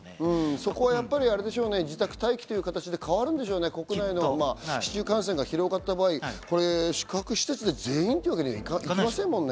そこは自宅待機という形に変わるんでしょうね、市中感染が広がった場合、宿泊施設で全員というわけにはいきませんもんね。